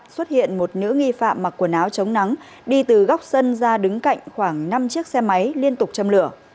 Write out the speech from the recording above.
xuất hiện một nữ nghi phạm mặc quần áo chống nắng đi từ góc sân ra đứng cạnh khoảng năm chiếc xe máy liên tục châm lửa